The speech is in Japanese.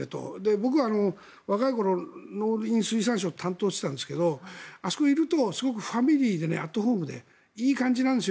僕は若い頃、農林水産省を担当していたんですがあそこにいるとすごくファミリーでアットホームでいい感じなんですよ。